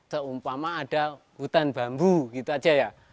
seumpama ada hutan bambu gitu aja ya